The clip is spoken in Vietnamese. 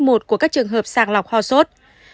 của các trường hợp sàng lọc hoa sốt